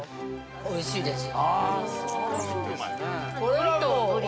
◆おいしいです。